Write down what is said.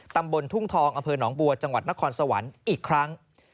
ตำบลทุ่งทองอำเภอหนองบัวจังหวัดนครสวรรค์อีกครั้ง